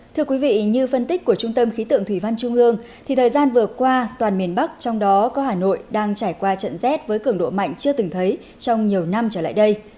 thưa quý vị như phân tích của trung tâm khí tượng thủy văn trung ương thì thời gian vừa qua toàn miền bắc trong đó có hà nội đang trải qua trận rét với cường độ mạnh chưa từng thấy trong nhiều năm trở lại đây